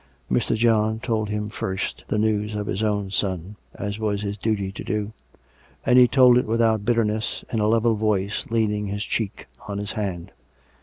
Mr. John told him first the news of his own son, as was his duty to do; and he told it without bitterness, in a level voice, leaning his cheek on his hand.